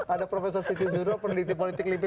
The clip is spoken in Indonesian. ada profesor siti zuro pendidik politik limping